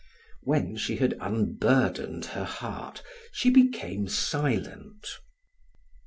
When she had unburdened her heart she became silent.